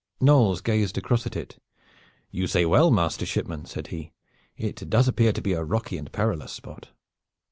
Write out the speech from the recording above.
Knolles gazed across at it. "You say well, master shipman," said he. "It does appear to be a rocky and perilous spot."